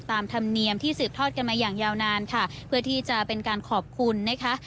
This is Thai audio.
ธรรมเนียมที่สืบทอดกันมาอย่างยาวนานค่ะเพื่อที่จะเป็นการขอบคุณนะคะ